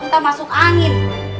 ntar masuk angin